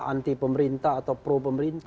anti pemerintah atau pro pemerintah